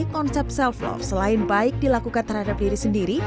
konsep self love selain baik dilakukan terhadap diri sendiri